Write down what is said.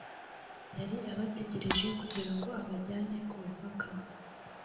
yari abategerereje kugira ngo abajyane ku mupaka